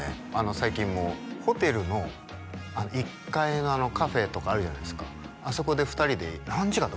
最近もホテルの１階のカフェとかあるじゃないですかあそこで２人で何時間だ？